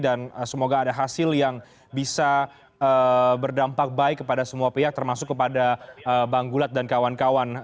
semoga ada hasil yang bisa berdampak baik kepada semua pihak termasuk kepada bang gulat dan kawan kawan